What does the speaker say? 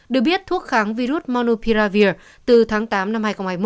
được biết thuốc kháng virus monopiravir từ tháng tám năm hai nghìn hai mươi một